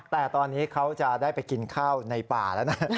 แต่ตอนนี้เขาจะได้ไปกินข้าวในป่าแล้วนะ